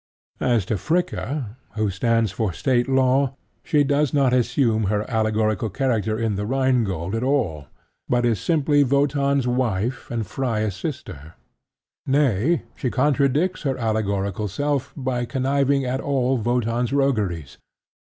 As to Fricka, who stands for State Law, she does not assume her allegorical character in The Rhine Gold at all, but is simply Wotan's wife and Freia's sister: nay, she contradicts her allegorical self by conniving at all Wotan's rogueries.